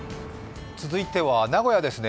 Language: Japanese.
続いては名古屋ですね。